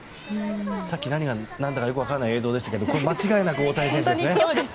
さっき何が何だかよく分からない映像でしたが映像でしたけど、これは間違いなく大谷翔平ですね。